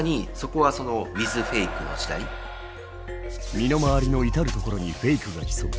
身の回りの至る所にフェイクが潜む。